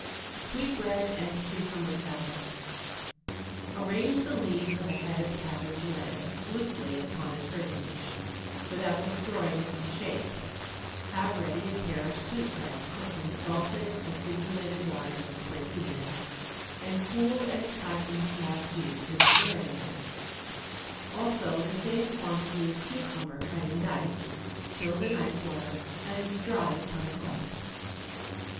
_ =Sweetbread and Cucumber Salad.= Arrange the leaves of a head of cabbage lettuce loosely upon a serving dish, without destroying its shape. Have ready a pair of sweetbreads cooked in salted, acidulated water twenty minutes, and cooled and cut in small cubes and marinated; also the same quantity of cucumber cut in dice, chilled in ice water and dried upon a cloth.